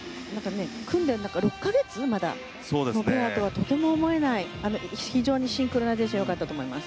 組んでまだ６か月のペアとはとても思えない非常にシンクロナイゼーション良かったと思います。